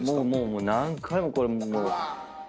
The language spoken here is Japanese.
もう何回もこれ。